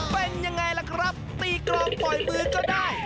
เป็นยังไงล่ะครับตีกรองปล่อยมือก็ได้